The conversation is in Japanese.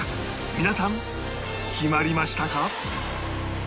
皆さん決まりましたか？